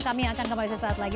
kami akan kembali sesaat lagi